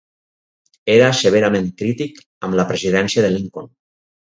Era severament crític amb la presidència de Lincoln.